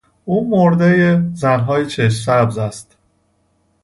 او مردهی زنهای چشم سبز است.